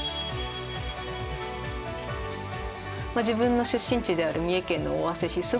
自分の出身地である三重県の尾鷲市。